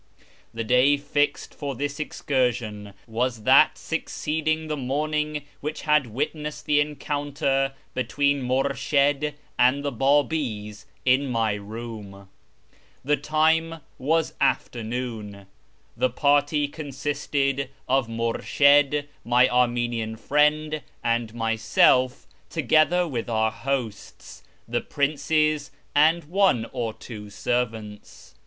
The day fixed for this excursion was that succeeding the morning which had witnessed the encounter between INIurshid and the Babis, in my room. The time was afternoon. The party consisted of IMurshid, my Armenian friend, and myself, together with our hosts, the princes, and one or two servants.